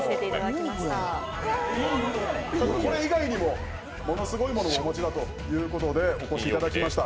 これ以外にも、ものすごいものをお持ちだということでお越しいただきました。